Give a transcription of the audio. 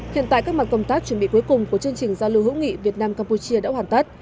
hiện tại các mặt công tác chuẩn bị cuối cùng của chương trình giao lưu hữu nghị việt nam campuchia đã hoàn tất